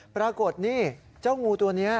ปรากฏนี่เจ้างูตัวนี้